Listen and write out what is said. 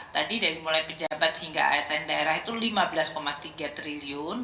tadi dari mulai pejabat hingga asn daerah itu rp lima belas tiga triliun